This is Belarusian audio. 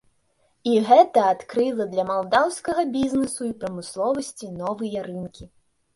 І гэта адкрыла для малдаўскага бізнэсу і прамысловасці новыя рынкі.